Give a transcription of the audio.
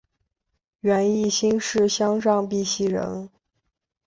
袁翼新市乡上碧溪人。